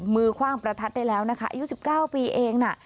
คว่างประทัดได้แล้วนะคะอายุ๑๙ปีเองน่ะ